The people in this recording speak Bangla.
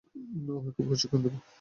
আমি ওকে প্রশিক্ষণ দিব।